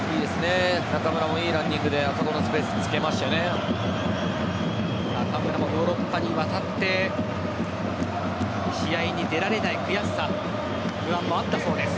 中村もいいランニングであそこのスペース中村もヨーロッパに渡って試合に出られない悔しさ不安もあったそうです。